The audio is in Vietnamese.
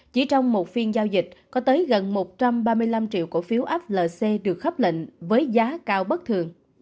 chỉ trong một phiên giao dịch có tới gần một trăm ba mươi năm triệu cổ phiếu flc được khắp lệnh với giá cao bất thường